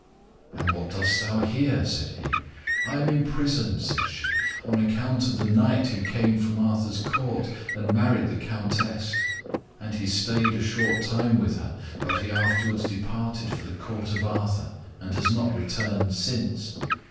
"And what dost thou here?" said he. "I am imprisoned," said she, "on account of the knight who came from Arthur's court, and married the Countess. And he staid a short time with her, but he afterwards departed for the court of Arthur, and has not returned since.